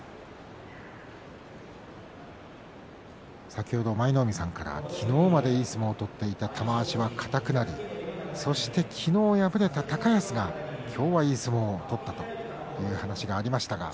先ほど舞の海さんから昨日までいい相撲を取っていた玉鷲が硬くなりそして昨日敗れた高安は今日はいい相撲を取ったという話がありました。